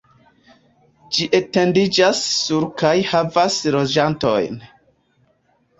Ĝi etendiĝas sur kaj havas loĝantojn.